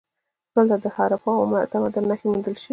دلته د هراپا تمدن نښې موندل شوي دي